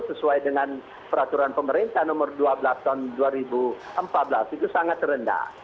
sesuai dengan peraturan pemerintah nomor dua belas tahun dua ribu empat belas itu sangat rendah